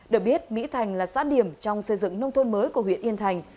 được biết mỹ thành là xã điểm trong xây dựng nông thôn mới của huyện yên thành